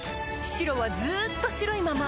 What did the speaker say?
白はずっと白いまま